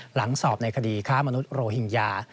หลังสอบในคดีค้ามนุษยโรหิงญา